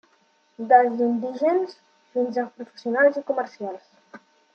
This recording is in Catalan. Des d'indigents fins a professionals i comerciants.